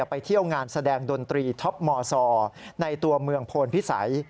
ไปเที่ยวงานแสดงดนตรีท็อปมซในตัวเมืองโพนพิสัย